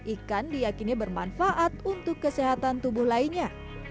ikan diakini bermanfaat untuk kesehatan tubuh lainnya